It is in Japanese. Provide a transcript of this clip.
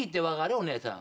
お姉さん。